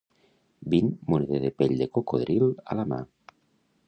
Vint moneder de pell de cocodril a la mà.